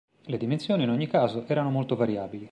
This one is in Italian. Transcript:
Le dimensioni, in ogni caso, erano molto variabili.